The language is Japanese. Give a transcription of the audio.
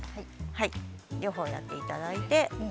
両方やっていただいて。